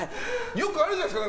よくあるじゃないですか。